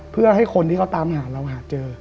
เพื่อให้คนที่เขาตามหาเราหาเจอ